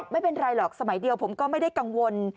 ไม่เป็นไรหรอกสมัยเดียวผมก็ไม่ได้กังวล